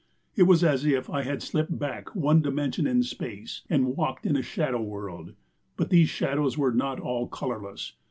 It was as if I had slipped back one dimension in space and walked in a shadow world. But these shadows were not all colorless.